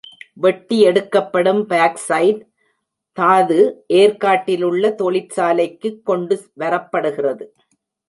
வெட்டி எடுக்கப்படும் பாக்சைட் தாது ஏர்க்காட்டிலுள்ள தொழிற்சாலைக்குக் கொண்டு வரப்படுகிறது.